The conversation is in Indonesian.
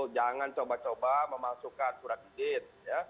jangan coba coba memasukkan surat izin